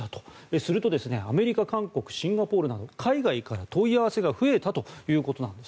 すると、アメリカ、韓国シンガポールなど海外から問い合わせが増えたということなんです。